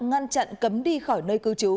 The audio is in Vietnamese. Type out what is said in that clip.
ngăn chặn cấm đi khỏi nơi